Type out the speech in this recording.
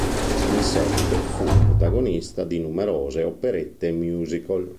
In seguito, fu protagonista di numerose operette e musical.